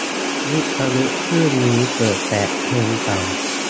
วิทยุคลื่นนี้เปิดแต่เพลงเก่า